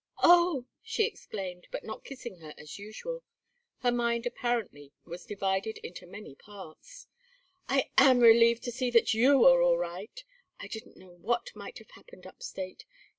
"Oh!" she exclaimed, but not kissing her as usual; her mind apparently was divided into many parts. "I am relieved to see that you are all right. I didn't know what might have happened up State.